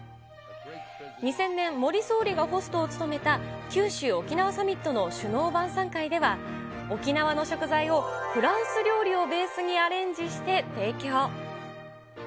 ２０００年、森総理がホストを務めた九州・沖縄サミットの首脳晩さん会では、沖縄の食材をフランス料理をベースにアレンジして提供。